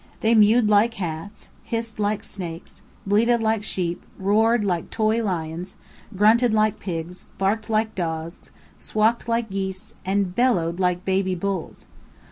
They mewed like cats, hissed like snakes, bleated like sheep, roared like toy lions, grunted like pigs, barked like dogs, squawked like geese, and bellowed like baby bulls.